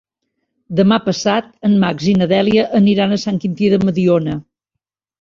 Demà passat en Max i na Dèlia aniran a Sant Quintí de Mediona.